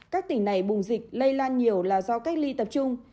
các tỉnh này bùng dịch lây lan nhiều là do cách ly tập trung